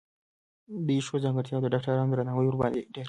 دې ښو ځانګرتياوو د ډاکټرانو درناوی ورباندې ډېر کړ.